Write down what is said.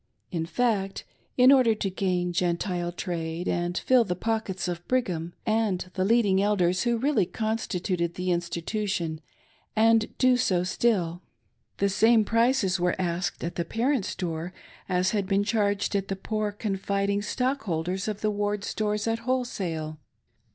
In fact, in order to gain Gentile trade and fill the pockets of Brig ham and the leading Elders who really constituted the Institu tion (and do so still), the same prices were asked at the parent store as had been charged the poor, confiding stock holders of the Ward stores at wholesale.